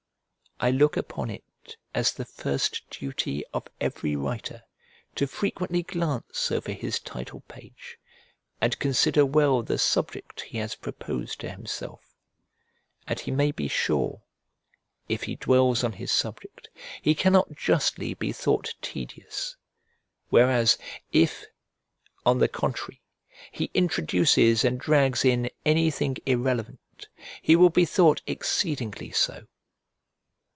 I look upon it as the first duty of every writer to frequently glance over his title page and consider well the subject he has proposed to himself; and he may be sure, if he dwells on his subject, he cannot justly be thought tedious, whereas if, on the contrary, he introduces and drags in anything irrelevant, he will be thought exceedingly so.